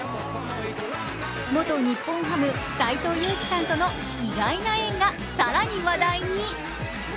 元日本ハム・斎藤佑樹さんとの意外な縁が更に話題に。